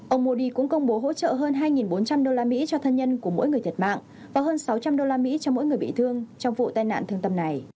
ông modi cũng công bố hỗ trợ hơn hai bốn trăm linh usd cho thân nhân của mỗi người thiệt mạng và hơn sáu trăm linh đô la mỹ cho mỗi người bị thương trong vụ tai nạn thương tâm này